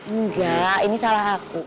enggak ini salah aku